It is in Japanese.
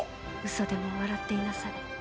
嘘でも笑っていなされ。